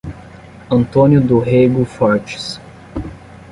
Antônio do Rego Fortes